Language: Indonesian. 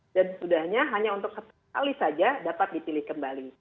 dan sudahnya hanya untuk sekali saja dapat dipilih kembali